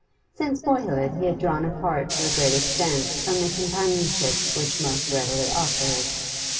Since boyhood he had drawn apart to a great extent from the companionships which most readily offered.